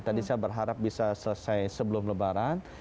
tadi saya berharap bisa selesai sebelum lebaran